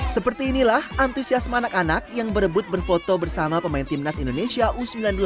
seperti inilah antusiasme anak anak yang berebut berfoto bersama pemain timnas indonesia u sembilan belas